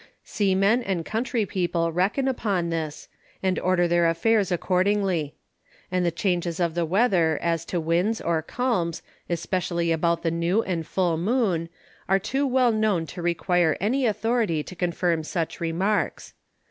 Seamen and Country People reckon upon This, and order their Affairs accordingly. And the changes of the Weather as to Winds or Calms especially about the New and Full Moon, are too well known to require any Authority to confirm such Remarks.